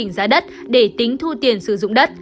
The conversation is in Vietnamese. giá đất để tính thu tiền sử dụng đất